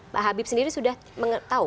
pak habib sendiri sudah mengetahui